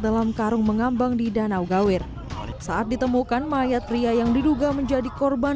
dalam karung mengambang di danau gawir saat ditemukan mayat pria yang diduga menjadi korban